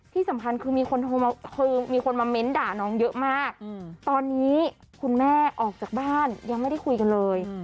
ที่สำคัญคือมีคนโทรมาคือมีคนมาเม้นต์ด่าน้องเยอะมากตอนนี้คุณแม่ออกจากบ้านยังไม่ได้คุยกันเลย